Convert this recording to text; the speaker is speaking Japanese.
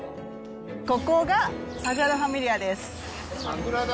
ここがサグラダファミリアです。